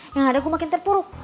yang ada aku makin terpuruk